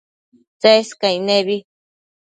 Tsescaic nebi